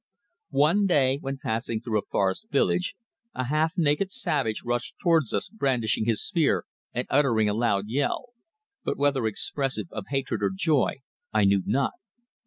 One day, when passing through a forest village, a half naked savage rushed towards us brandishing his spear and uttering a loud yell, but whether expressive of hatred or joy I knew not.